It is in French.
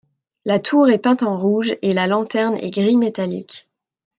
La tour est peinte en rouge et la lanterne est gris métallique.